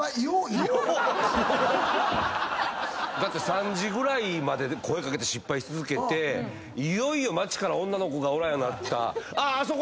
⁉３時ぐらいまで声掛けて失敗し続けていよいよ街から女の子がおらんようになったあそこ